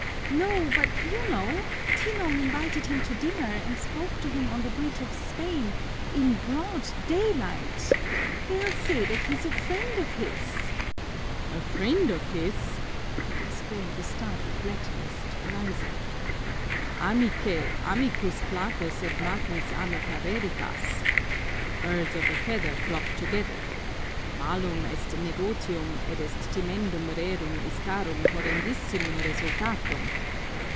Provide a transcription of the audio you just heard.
"No, but you know, Tinong invited him to dinner and spoke to him on the Bridge of Spain in broad daylight! They'll say that he's a friend of his!" "A friend of his!" exclaimed the startled Latinist, rising. "Amice, amicus Plato sed magis amica veritas. Birds of a feather flock together. _Malum est negotium et est timendum rerum istarum horrendissimum resultatum!